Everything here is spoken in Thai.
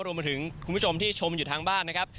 รวมถึงคุณผู้ชมที่ชมอยู่ทางบ้านนะครับ